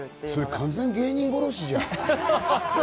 それ完全に芸人殺しじゃん。